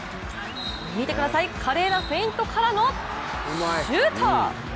見てください、華麗なフェイントからのシュート。